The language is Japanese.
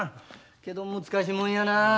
けど難しいもんやな。